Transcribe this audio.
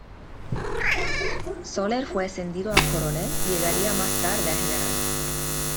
Soler fue ascendido a coronel y llegaría más tarde a general.